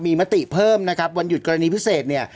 มีมติเพิ่มนะครับวันหยุดกรณีพิเศษเนี่ย